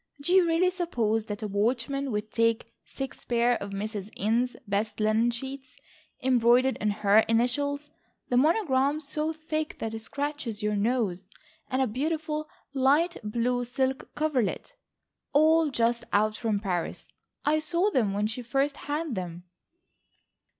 Do you really suppose that a watchman would take six pair of Mrs. Inness' best linen sheets, embroidered in her initials, the monogram so thick that it scratches your nose; and a beautiful light blue silk coverlet,—all just out from Paris. I saw them when she first had them."